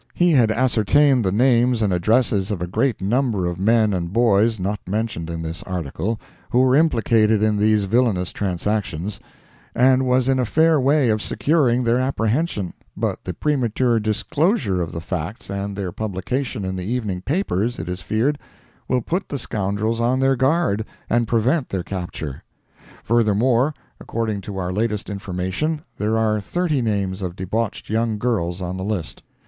He had ascertained the names and addresses of a great number of men and boys not mentioned in this article, who were implicated in these villainous transactions, and was in a fair way of securing their apprehension, but the premature disclosure of the facts and their publication in the evening papers, it is feared, will put the scoundrels on their guard, and prevent their capture. Furthermore, according to our latest information, there are thirty names of debauched young girls on the list.